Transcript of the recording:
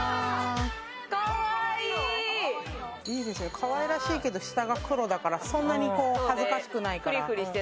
かわいらしいけど下が黒だからそんなに恥ずかしくないから。